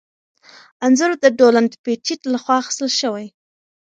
انځور د ډونلډ پېټټ لخوا اخیستل شوی.